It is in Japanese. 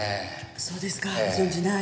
そうですかご存じない？